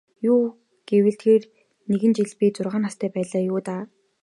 Юу гэвэл тэр нэгэн жил би зургаан настай байлаа юу даа.